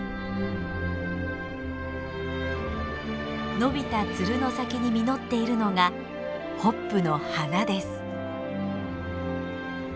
伸びたツルの先に実っているのがホップの花です。